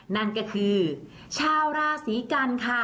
นั่นก็คือชาวราศีกันค่ะ